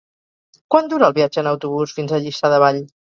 Quant dura el viatge en autobús fins a Lliçà de Vall?